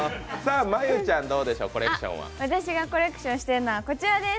私がコレクションしているのは、こちらです。